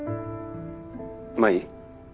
舞？